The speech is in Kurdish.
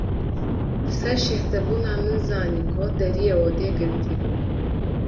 Li ser şehdebûna min zanî ko deriyê odê girtî bû.